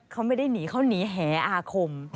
เขาไม่ได้หนีเขาถึง๊บแฮอาคม